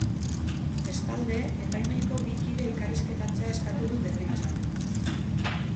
Bestalde, epaimahaiko bi kide elkarrizketatzea eskatu du defentsak.